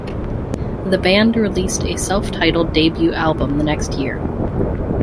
The band released a self-titled debut album the next year.